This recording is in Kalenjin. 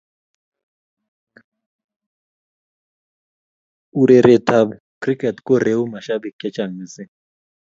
Ureruetab kriket koreu mashabik chechaang mising